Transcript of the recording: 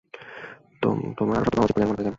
তোমার আরও সতর্ক হওয়া উচিত বলে আমি মনে করি, ক্যাম।